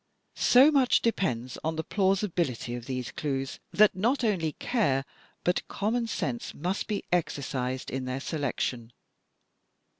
So much depends on the plausibility of these clues, that not only care but common sense must be exercised in their selection.